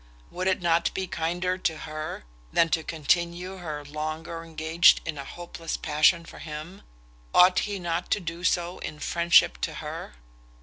Would it not be kinder to her, than to continue her longer engaged in a hopeless passion for him? Ought he not to do so in friendship to her?